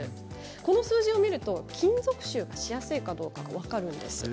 この数字を見ると金属臭がしやすいかどうかが分かるんです。